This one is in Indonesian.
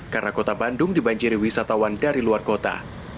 karena kota bandung dibanjiri wisatawan dari luar kota